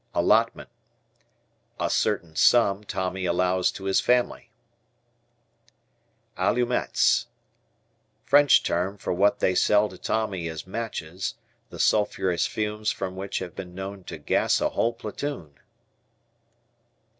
Allotment. A certain sum Tommy allows to his family. Allumettes. French term for what they sell to Tommy as matches, the sulphurous fumes from which have been known to "gas" a whole platoon.